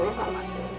jadi kita tidak boleh